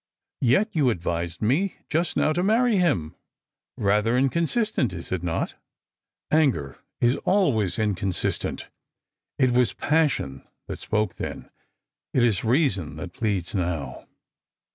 " Yet you advised me just now to marry hira. Eather incon Bistent, is it not?" " Anger is always inconsistent. It was passion that spoke then, it is reason that pleads now.